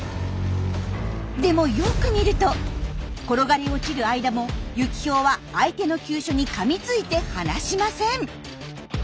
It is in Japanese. でもよく見ると転がり落ちる間もユキヒョウは相手の急所にかみついて離しません。